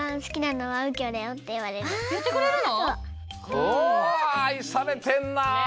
おおあいされてんな！